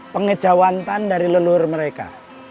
pengejawatan dari leluhur mereka